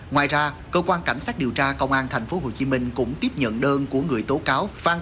ngoài ra cơ quan cảnh sát điều tra công an tp hcm cũng tiếp nhận đơn của người tố cáo phan